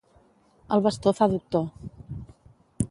El bastó fa doctor.